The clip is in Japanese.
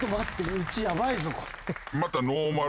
うちヤバいぞこれ。